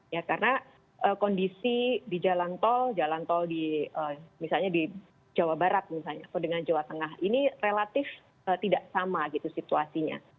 ya karena kondisi di jalan tol jalan tol di misalnya di jawa barat misalnya atau dengan jawa tengah ini relatif tidak sama gitu situasinya